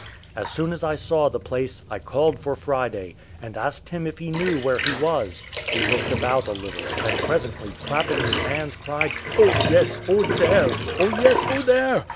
As soon as I saw the place I called for Friday, and asked him if he knew where he was? He looked about a little, and presently clapping his hands, cried, "Oh yes, Oh there, Oh yes, Oh there!"